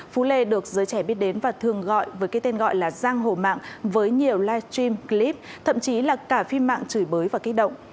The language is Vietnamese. phú lê được giới trẻ biết đến và thường gọi với cái tên gọi là giang hổ mạng với nhiều live stream clip thậm chí là cả phim mạng chửi bới và kích động